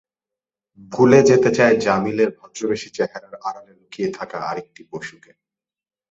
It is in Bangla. ভুলে যেতে চায় জামিলের ভদ্রবেশী চেহারার আড়ালে লুকিয়ে থাকা আরেকটি পশুকে।